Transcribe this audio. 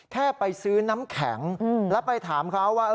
แค่ไปซื้อน้ำแข็งแล้วไปถามเขาว่า